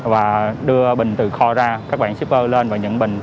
và đưa bình từ kho ra các bạn shipper lên và nhận bình